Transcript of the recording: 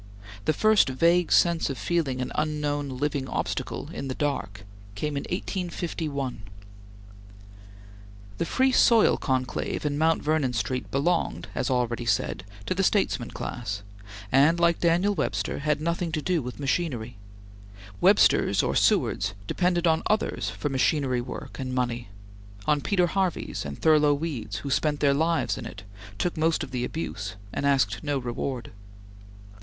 The first vague sense of feeling an unknown living obstacle in the dark came in 185l. The Free Soil conclave in Mount Vernon Street belonged, as already said, to the statesman class, and, like Daniel Webster, had nothing to do with machinery. Websters or Sewards depended on others for machine work and money on Peter Harveys and Thurlow Weeds, who spent their lives in it, took most of the abuse, and asked no reward.